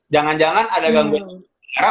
jangan jangan ada gangguan pembekuan darah